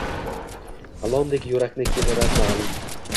Ilondek yurakni kemirar mal’un.